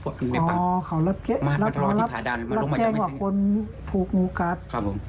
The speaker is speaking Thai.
ผมกินแค่แก้แพ้๒เมตรเมตรเน่าแห้งวันก่อนมันโดนฝน